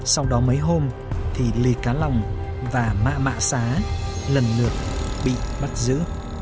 sau đó mấy hôm thì lê cá lòng và mạ mạ xá lần lượt bị bắt giữ